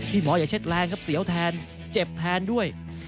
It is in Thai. หมออย่าเช็ดแรงครับเสียวแทนเจ็บแทนด้วย